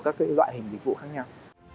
các loại hình dịch vụ khác nhau